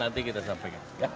ya nanti kita sampaikan